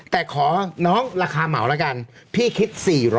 แต่ขอน้องราคาเหมาแล้วกันพี่คิด๔๐๐